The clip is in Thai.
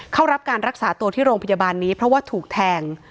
เข้ารับการรักษาตัวที่โรงพยาบาลนี้เพราะว่าถูกแทง